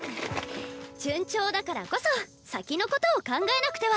順調だからこそ先のことを考えなくては！